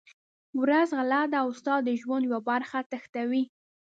ورځ غله ده او ستا د ژوند یوه برخه تښتوي.